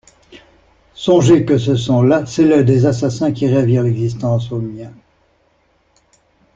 Songez que ce sont là celles des assassins qui ravirent l'existence aux miens.